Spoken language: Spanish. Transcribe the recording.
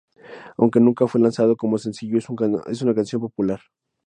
Aunque nunca fue lanzado como sencillo, es una canción popular.